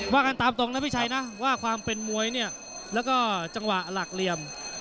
ว่ากันตามตรงนะพี่ชัยนะว่าความเป็นมวยเนี่ยแล้วก็จังหวะหลักเหลี่ยม